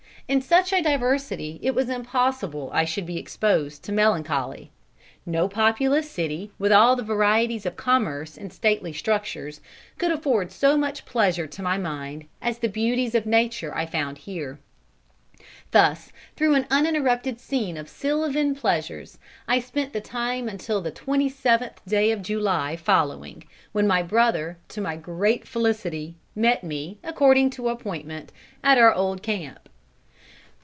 In such a diversity it was impossible I should be disposed to melancholy. No populous city, with all the varieties of commerce and stately structures, could afford so much pleasure to my mind, as the beauties of nature I found here. "Thus through an uninterrupted scene of sylvan pleasures, I spent the time until the twenty seventh day of July following, when my brother, to my great felicity, met me, according to appointment, at our old camp."